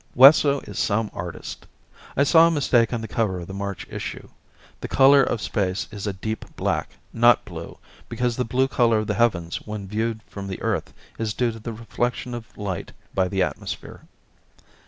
Wesso is some artist. I saw a mistake on the cover of the March issue. The color of space is a deep black, not blue, because the blue color of the heavens when viewed from the earth is due to the reflection of light by the atmosphere.